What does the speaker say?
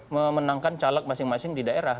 memenangkan caleg masing masing di daerah